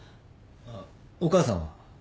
あっお母さんは？